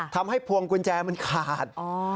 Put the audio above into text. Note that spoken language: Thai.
ทำให้พวงกุญแจมันขาด